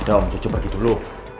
udah om jojo bagi dulu